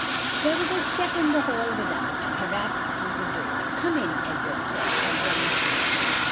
There was a step in the hall without, a rap on the door. "Come in," Edward said, and Ben appeared.